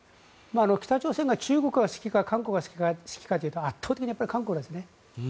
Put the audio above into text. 北朝鮮が中国が好きか韓国が好きかというと圧倒的に韓国なんですね。